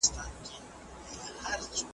یخچال له مېوو او سبزیو ډک و.